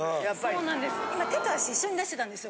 そうなんです。